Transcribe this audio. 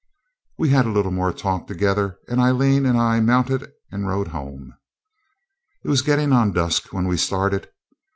We three had a little more talk together, and Aileen and I mounted and rode home. It was getting on dusk when we started.